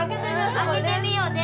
開けてみようね。